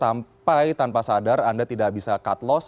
sampai tanpa sadar anda tidak bisa cut loss